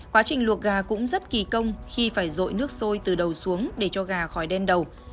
quá trình luộc gà cũng rất kỳ công khi phải rội nước sôi từ đầu xuống để cho gà khỏi đen đầu